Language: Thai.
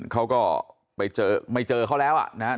เขาก็ไปเจอไม่เจอเขาแล้วนะครับ